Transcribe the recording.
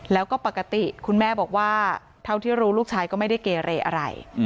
แล้วก็ปกติคุณแม่บอกว่าเท่าที่รู้ลูกชายก็ไม่ได้เกเรอะไร